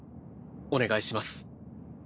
お願いします。